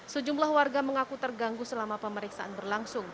sejumlah warga mengaku terganggu selama pemeriksaan berlangsung